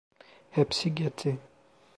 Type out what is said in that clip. Hepsi gitti.